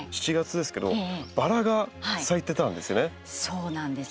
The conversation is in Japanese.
そうなんです。